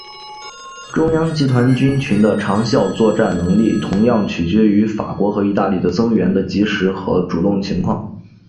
中央集团军群的长效作战能力同样取决于法国和意大利的增援的及时和主动情况。